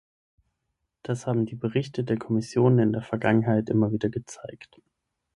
Das haben die Berichte der Kommission in der Vergangenheit immer wieder gezeigt.